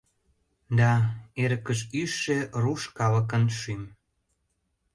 Да эрыкыш ӱжшӧ руш калыкын шӱм.